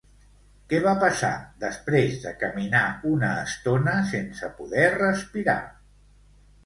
Què va passar després de caminar una estona sense poder respirar?